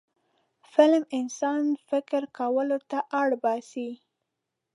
فلم انسان فکر کولو ته اړ باسي